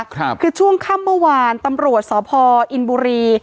ครับคือช่วงข้ามเมื่อวานตำรวจสออิ๋นบุรี